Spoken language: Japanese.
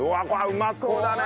うまそうだね！